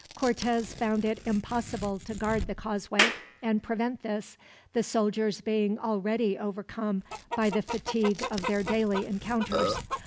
Cortez found it impossible to guard the causeway and prevent this, the soldiers being already overcome by the fatigue of their daily encounters.